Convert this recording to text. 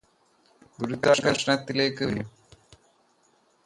ഗുരുത്വാകര്ഷണത്തിലേയ്ക് വീഴുന്നു